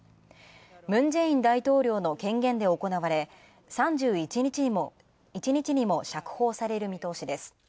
ムン・ジェイン大統領の権限で行われ３１日にも釈放される見通しです。